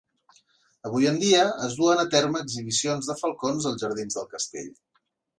Avui dia, es duen a terme exhibicions de falcons als jardins del castell.